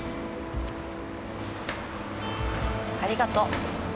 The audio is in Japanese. ありがとう。